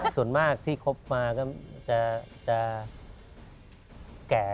ส่วนมากที่คบมาก็จะแก่